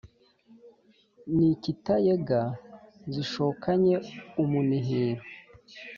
Ni ikitayega zishokanye umunihiro,